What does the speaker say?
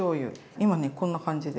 今ねこんな感じで。